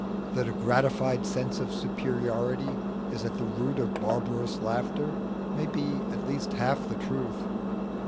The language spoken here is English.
That a gratified sense of superiority is at the root of barbarous laughter may be at least half the truth.